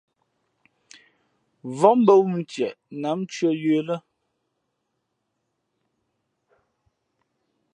Vóp mbᾱ wū ntieʼ nǎm ntʉ̄ᾱ yə̌ lά.